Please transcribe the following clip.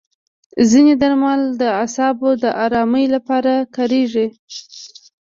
ځینې درمل د اعصابو د ارامۍ لپاره کارېږي.